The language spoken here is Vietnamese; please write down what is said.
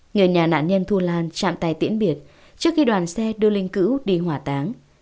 người nhà nạn nhân thu lan chạm tay tiễn biệt trước khi đoàn xe đưa linh cữu đi hỏa táng